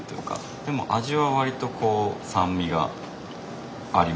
でも味は割とこう酸味がありますかね。